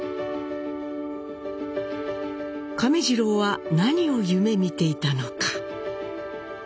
亀治郎は何を夢みていたのか。